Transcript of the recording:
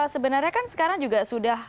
sebenarnya kan sekarang juga sudah